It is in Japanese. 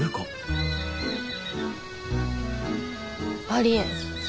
ありえん。